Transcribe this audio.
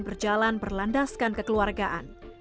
berjalan berlandaskan kekeluargaan